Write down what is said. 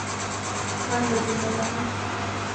بار بدُل لغا نا